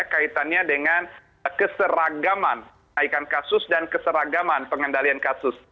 kaitannya dengan keseragaman naikan kasus dan keseragaman pengendalian kasus